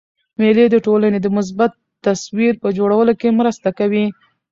مېلې د ټولني د مثبت تصویر په جوړولو کښي مرسته کوي.